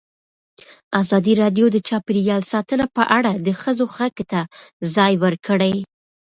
ازادي راډیو د چاپیریال ساتنه په اړه د ښځو غږ ته ځای ورکړی.